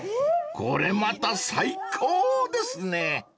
［これまた最高ですね］